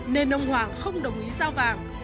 nên ông hoàng không đồng ý giao vàng